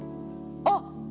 あっ！